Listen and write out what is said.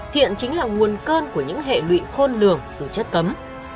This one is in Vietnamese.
thiện chính là nguồn cơn của những hệ lụy khôn lường từ chất cấm